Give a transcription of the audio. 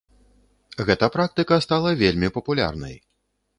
Гэта практыка стала вельмі папулярнай.